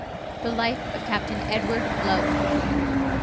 THE LIFE OF CAPTAIN EDWARD LOW.